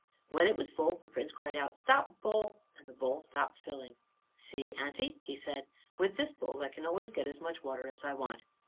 When it was full, the Prince cried out, "Stop, bowl!" and the bowl stopped filling. "See, aunty," he said, "with this bowl I can always get as much water as I want."